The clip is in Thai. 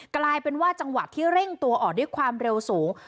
กลายเป็นว่าจังหวะที่เร่งตัวออกด้วยความเร็วสูง